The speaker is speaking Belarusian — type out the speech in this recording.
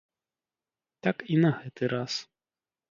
Так і на гэты раз.